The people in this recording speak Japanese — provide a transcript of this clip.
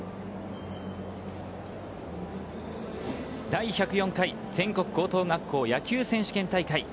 第１０４回全国高等学校野球選手権大会。